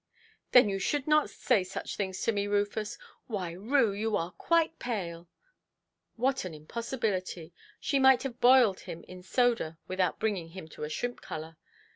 "Then you should not say such things to me, Rufus. Why, Rue, you are quite pale"!—What an impossibility! She might have boiled him in soda without bringing him to a shrimp–colour.